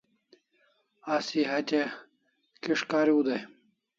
Asi hatya kis' kariu dai